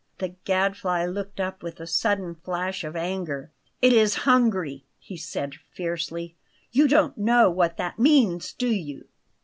The Gadfly looked up with a sudden flash of anger. "It is hungry," he said fiercely. "You don't know what that means, do you?"